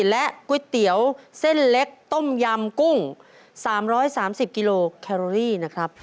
และก๋วยเตี๋ยวเส้นเล็กต้มยำกุ้ง๓๓๐กิโลแคโรรี่นะครับ